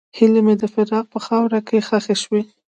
هیلې مې د فراق په خاوره کې ښخې شوې.